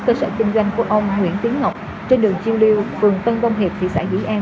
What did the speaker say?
cơ sở kinh doanh của ông nguyễn tiến ngọc trên đường chiêu lưu vườn tân vong hiệp thị xã vĩ an